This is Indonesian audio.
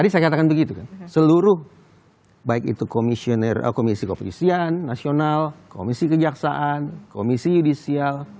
tadi saya katakan begitu kan seluruh baik itu komisi kepolisian nasional komisi kejaksaan komisi yudisial